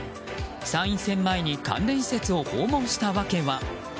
参院選前に関連施設を訪問した訳は？